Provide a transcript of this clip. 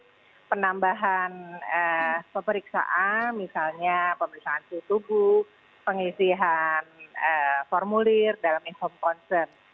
jadi penambahan pemeriksaan misalnya pemeriksaan tubuh pengisihan formulir dalam inform konsen